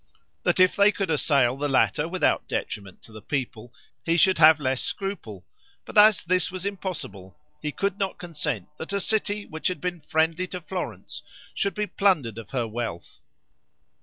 That if they could assail the latter without detriment to the people, he should have less scruple, but as this was impossible, he could not consent that a city which had been friendly to Florence should be plundered of her wealth.